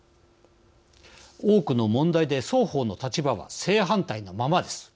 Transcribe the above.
多くの問題で双方の立場は正反対なままです。